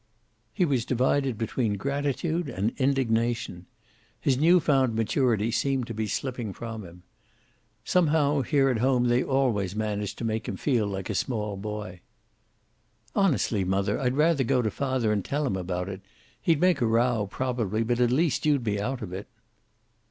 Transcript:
He was divided between gratitude and indignation. His new found maturity seemed to be slipping from him. Somehow here at home they always managed to make him feel like a small boy. "Honestly, mother, I'd rather go to father and tell him about it. He'd make a row, probably, but at least you'd be out of it."